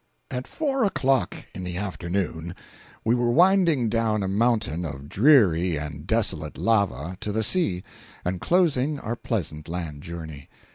At four o'clock in the afternoon we were winding down a mountain of dreary and desolate lava to the sea, and closing our pleasant land journey.